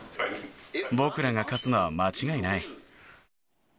僕らが勝つのは間違いない。